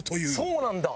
そうなんだ！